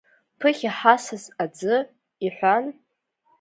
Ԥыхьа ҳасас аӡы, — иҳәан…